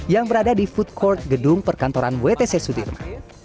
yang berada di food court gedung perkantoran wtc sudirma